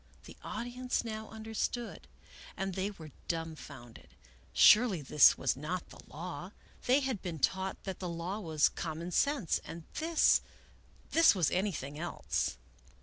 The audience now understood, and they were dum founded. Surely this was not the law. They had been taught that the law was common sense, and this, — this was anything else.